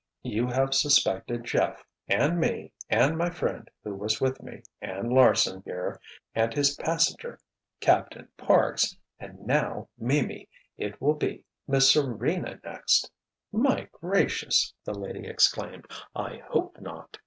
You have suspected Jeff, and me, and my friend who was with me, and Larsen, here, and his passenger—Captain Parks and now Mimi! It will be Miss Serena next!" "My gracious!" that lady exclaimed, "I hope not!"